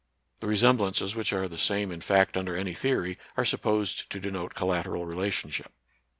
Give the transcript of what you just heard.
The resemblances, which are the same in fact under any theory, are supposed to denote collat eral relationship.